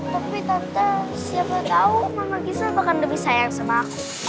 tapi tante siapa tau mama gisa bakal lebih sayang sama aku